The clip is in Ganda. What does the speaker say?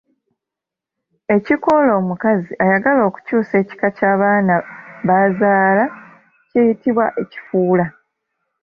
Ekikoola omukazi ayagala okukyusa ekika ky’abaana b’azaala kiyitibwa Ekifuula.